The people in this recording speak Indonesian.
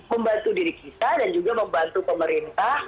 membantu diri kita dan juga membantu pemerintah